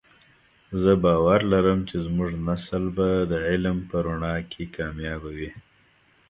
زه باور لرم چې زمونږ نسل به د علم په رڼا کې کامیابه وی